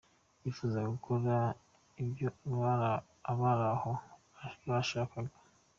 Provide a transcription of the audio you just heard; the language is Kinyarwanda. Yifuzaga gukora ibyo abari aho bashakaga.